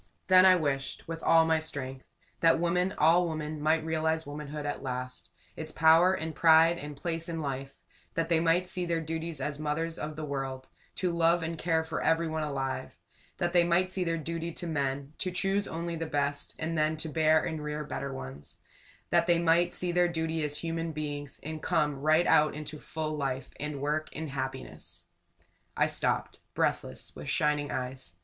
Then I wished with all my strength that women, all women, might realize Womanhood at last; its power and pride and place in life; that they might see their duty as mothers of the world to love and care for everyone alive; that they might see their dirty to men to choose only the best, and then to bear and rear better ones; that they might see their duty as human beings, and come right out into full life and work and happiness! I stopped, breathless, with shining eyes.